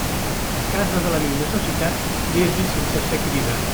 A casa de l'amic necessitat, vés-hi sense ser cridat.